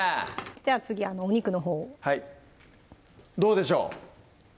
じゃあ次お肉のほうをどうでしょう？